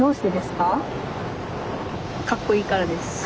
かっこいいからです！